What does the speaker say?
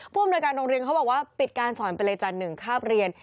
พวกบริการโรงเรียนเขาบอกว่าปิดการสอนไปเลยจ๊ะหนึ่งคราบเรียน